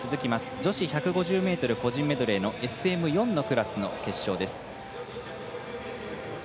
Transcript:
女子１５０ｍ個人メドレーのＳＭ４のクラスの決勝です。